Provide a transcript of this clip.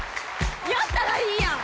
やったらいいやん！